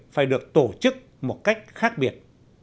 phải được tổ chức một cách khác biệt